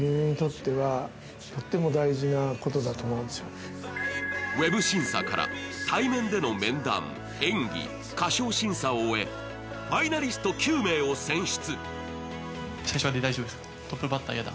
今回のテーマはウェブ審査から対面での面談演技、歌唱審査を終えファイナリスト９名を選出。